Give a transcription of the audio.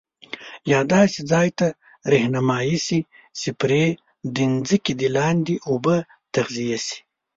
یا داسي ځاي ته رهنمایی شي چي پري د ځمکي دلاندي اوبه تغذیه شي